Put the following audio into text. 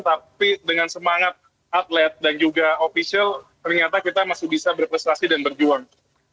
tapi dengan semangat atlet dan juga ofisial ternyata kita masih bisa berprestasi dan berjuang